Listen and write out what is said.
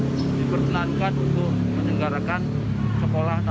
yang sudah diperkenankan untuk menyenggarakan sekolah tata